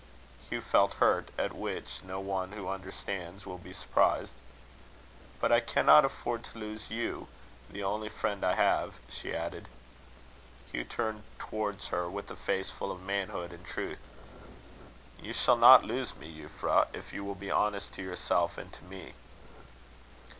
Hugh felt hurt, at which no one who understands will be surprised. "But I cannot afford to lose you, the only friend I have," she added. Hugh turned towards her with a face full of manhood and truth. "You shall not lose me, Euphra, if you will be honest to yourself and to me."